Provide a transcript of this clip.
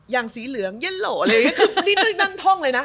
อย่างสีเหลืองเย็นโหลอะไรอย่างนี้นั่งท่องเลยนะ